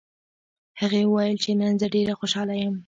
هغې وویل چې نن زه ډېره خوشحاله یم